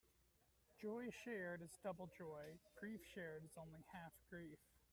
Joy shared is double joy; grief shared is only half grief.